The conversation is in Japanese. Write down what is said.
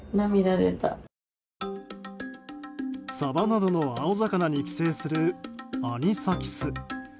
サバなどの青魚に寄生するアニサキス。